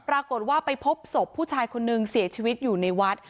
ปรากฏว่าไปพบศพผู้ชายคนนึงเสียชีวิตอยู่ในวัด